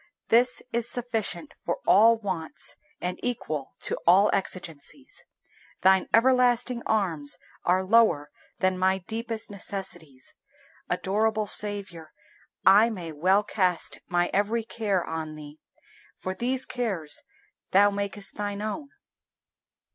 This is sufficient for all wants and equal to all exigencies. Thine everlasting arms are lower than my deepest necessities. Adorable Saviour, I may well cast my every care on Thee, for these cares Thou makest Thine own.